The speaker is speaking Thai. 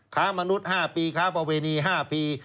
ค้ามนุษย์๕ปีค้าประเวณี๕ปี